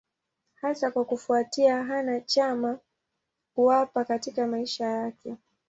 Hasa kwa kufuatia hana cha kuwapa katika maisha yake.